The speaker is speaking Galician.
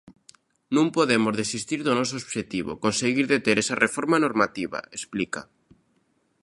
"Non podemos desistir do noso obxectivo: conseguir deter esa reforma normativa", explica.